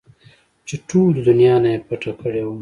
چې ټولې دونيا نه يې پټه کړې وه.